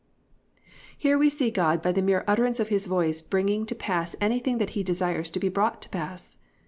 "+ Here we see God by the mere utterance of His voice bringing to pass anything that He desires to be brought to pass.